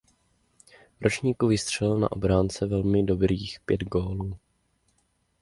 V ročníku vstřelil na obránce velmi dobrých pět gólů.